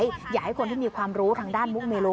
อยากให้คนที่มีความรู้ทางด้านมุกเมโล